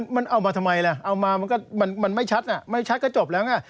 มันเอามาทำไมล่ะเอามามันก็มันไม่ชัดไม่ชัดก็จบแล้วไง